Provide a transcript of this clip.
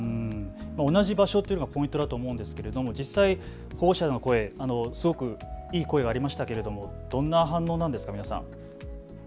同じ場所というのがポイントだと思うんですが実際、保護者の声、すごくいい声がありましたけれどもどんな反応ですか。